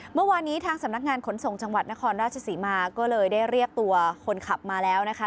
เมื่อวานนี้ทางสำนักงานขนส่งจังหวัดนครราชศรีมาก็เลยได้เรียกตัวคนขับมาแล้วนะคะ